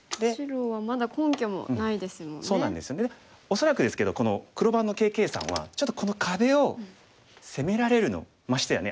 恐らくですけどこの黒番のＫ．Ｋさんはちょっとこの壁を攻められるのをましてやね